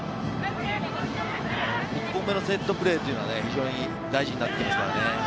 １本目のセットプレーは非常に大事になりますからね。